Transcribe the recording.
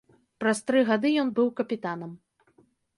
Праз тры гады ён быў капітанам.